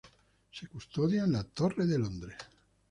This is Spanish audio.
Se custodia en la Torre de Londres.